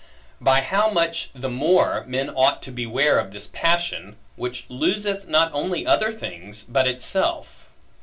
By how much the more, men ought to beware of this passion, which loseth not only other things, but itself!